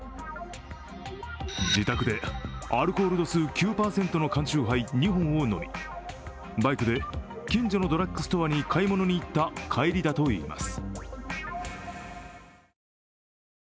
自宅でアルコール度数９％の缶酎ハイ２本を飲みバイクで近所のドラッグストアに買い物に行った帰りだといいます。